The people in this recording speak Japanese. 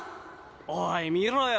おい見ろよ。